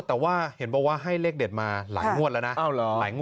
แต่ว่าเห็นบอกว่าให้เลขเด็ดมาหลายงวดแล้วนะ